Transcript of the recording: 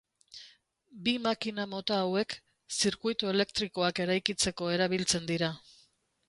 Bi makina mota hauek, zirkuitu elektrikoak eraikitzeko erabiltzen dira.